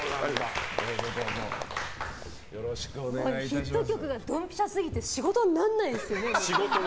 ヒット曲がどんぴしゃすぎて仕事にならないですね。